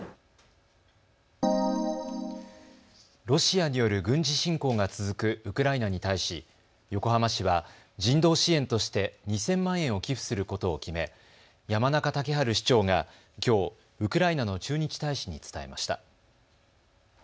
ロシアによる軍事侵攻が続くウクライナに対し横浜市は人道支援として２０００万円を寄付することを決め山中竹春市長がきょうウクライナの駐日大使に伝えました。